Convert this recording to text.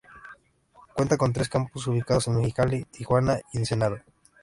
Cuenta con tres campus ubicados en Mexicali, Tijuana y Ensenada.